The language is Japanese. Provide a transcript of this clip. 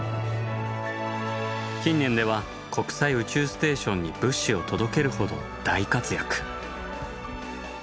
近年では国際宇宙ステーションに物資を届けるほど大活躍。